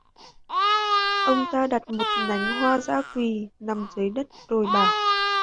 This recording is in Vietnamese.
Ông ta đặt một nhánh Hoa Dã Quỳ nằm dưới đất rồi bảo